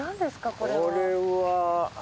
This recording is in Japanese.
これは。